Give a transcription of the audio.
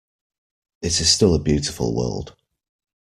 It is still a beautiful world.